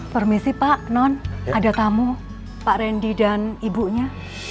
permisi pak non ada tamu pak randy dan ibunya